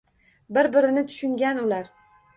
Bir-birini tushungan ular